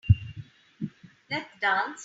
Let's dance.